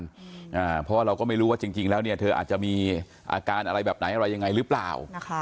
เพราะว่าเราก็ไม่รู้ว่าจริงจริงแล้วเนี่ยเธออาจจะมีอาการอะไรแบบไหนอะไรยังไงหรือเปล่านะคะ